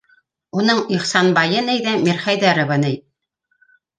Уның Ихсанбайы ни ҙә, Мирхәйҙәровы ни.